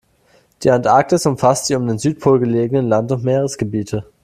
Die Antarktis umfasst die um den Südpol gelegenen Land- und Meeresgebiete.